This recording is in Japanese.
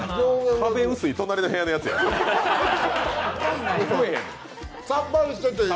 壁薄い隣の部屋の奴や。